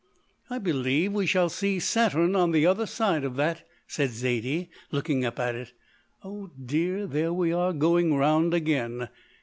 "I believe we shall see Saturn on the other side of that," said Zaidie, looking up at it. "Oh dear, there we are going round again."